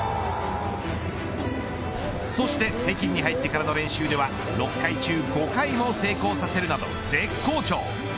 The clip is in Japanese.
そして北京に入ってからの練習では６回中５回も成功させるなど絶好調。